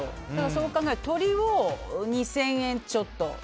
そう考えると鶏を２０００円ちょっと。